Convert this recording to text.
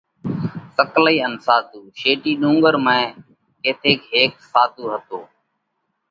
سڪلئي ان ساڌُو: شيٽِي ڏُونڳرون ۾ ڪٿيڪ هيڪ ساڌُو هتو۔